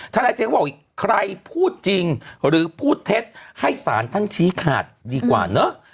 นายเจก็บอกอีกใครพูดจริงหรือพูดเท็จให้สารท่านชี้ขาดดีกว่าเนอะ